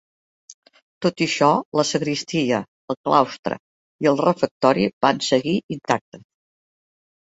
Tot i això, la sagristia, el claustre i el refectori van seguir intactes.